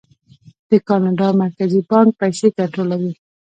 د کاناډا مرکزي بانک پیسې کنټرولوي.